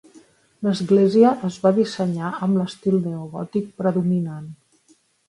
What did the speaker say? L'església es va dissenyar amb l'estil neogòtic predominant.